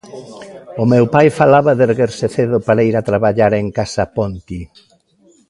O meu pai falaba de erguerse cedo para ir a traballar en Casa Ponti.